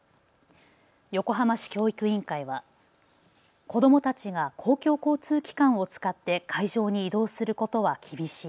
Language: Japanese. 横浜市教育委員会は子どもたちが公共交通機関を使って会場に移動することは厳しい。